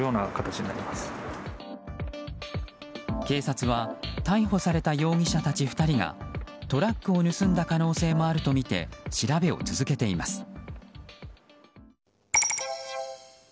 警察は逮捕された容疑者たち２人がトラックを盗んだ可能性もあるとみて調べを続けています。